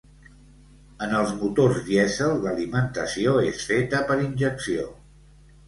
En els motors dièsel l'alimentació és feta per injecció.